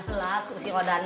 belakang sih kodana